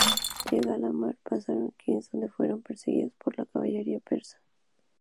Llegados a la mar, pasaron a Quíos, donde fueron perseguidos por la caballería persa.